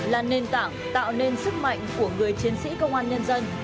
là nền tảng tạo nên sức mạnh của người chiến sĩ công an nhân dân